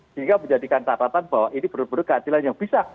sehingga menjadikan catatan bahwa ini benar benar keadilan yang bisa